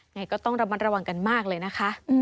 ไงก็ต้องระวังกันมากเลยนะคะ